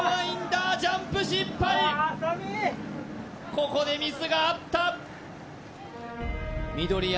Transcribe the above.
ここでミスがあった緑山